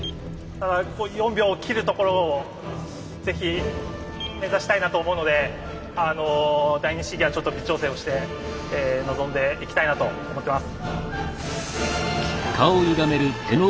４秒を切るところをぜひ目指したいなと思うので第二試技はちょっと微調整をして臨んでいきたいなと思ってます。